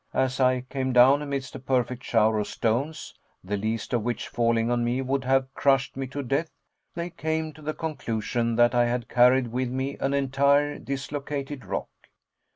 As I came down, amidst a perfect shower of stones, the least of which falling on me would have crushed me to death, they came to the conclusion that I had carried with me an entire dislocated rock.